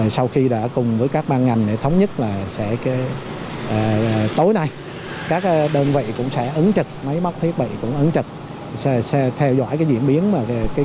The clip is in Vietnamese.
sau khi đã cùng với các ban ngành thống nhất là sẽ tối nay